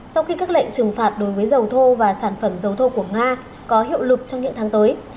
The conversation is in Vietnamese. sau khi các lệnh trừng phạt đối với dầu thô và sản phẩm dầu thô của nga có hiệu lực trong những tháng tới